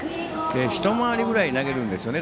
一回りぐらい投げるんですよね。